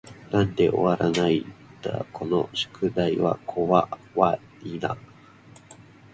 なんで終わらないだこの宿題は怖い y な